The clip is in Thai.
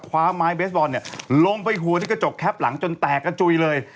คว้าไม้เบสบอลเนี่ยลงไปหัวที่กระจกแคปหลังจนแตกกระจุยเลย